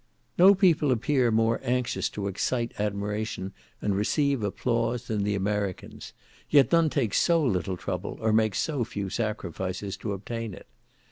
No people appear more anxious to excite admiration and receive applause than the Americans, yet none take so little trouble, or make so few sacrifices to obtain it.